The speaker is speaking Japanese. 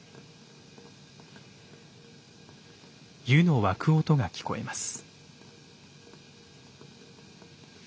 湯の沸く音が聞こえます。